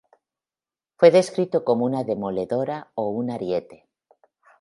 Fue descrito como una demoledora o un ariete.